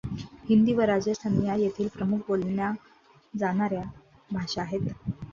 हिंदी व राजस्थानी या येथील प्रमुख बोलल्या जाणार् या भाषा आहेत.